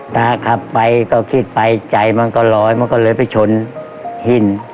ตาขับไปก็คิดไปใจมันก็ลอยมันก็เลยไปชนหิน